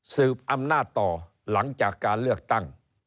สืบอำนาจต่อหลังจากการเลือกตั้ง